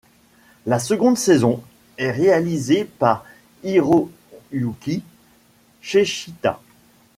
La seconde saison est réalisée par Hiroyuki Seshita.